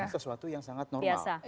sesuatu yang sangat normal